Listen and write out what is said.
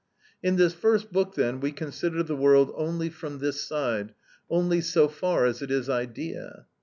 In this first book, then, we consider the world only from this side, only so far as it is idea.